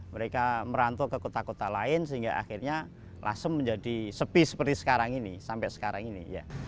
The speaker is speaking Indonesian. mereka merantau ke kota kota lain sehingga akhirnya lasem menjadi sepi seperti sekarang ini sampai sekarang ini